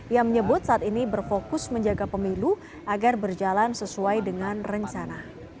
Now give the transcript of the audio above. ia menyebut saat ini berfokus menjaga pemilu agar berjalan sesuai dengan rencana